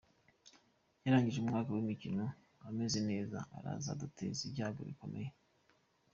Yarangije umwaka w’imikino ameze neza, araza kuduteza ibyago bikomeye.